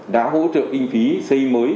đã hỗ trợ kinh phí xây mới